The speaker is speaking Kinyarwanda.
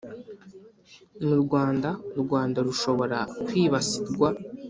Mu rwanda u rwanda rushobora kwibasirwa